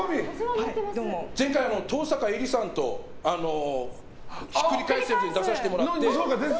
前回、登坂絵莉さんをひっくり返すやつに出させてもらって。